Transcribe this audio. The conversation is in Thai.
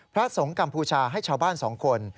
พระสงฆ์กัมพูชาให้ชาวบ้าน๒คน